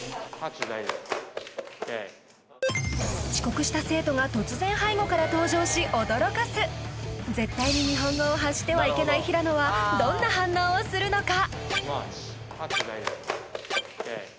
遅刻した生徒が突然背後から登場し驚かす絶対に日本語を発してはいけない平野はどんな反応をするのか？